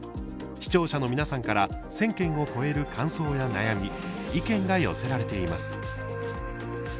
視聴者の皆さんから１０００件を超える感想や悩み意見が寄せられています。